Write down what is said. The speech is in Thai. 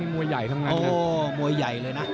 มวยใหญ่ทำงานนะมวยใหญ่เลยนะ